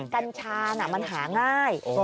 กัญชาน่ะมันหาง่าย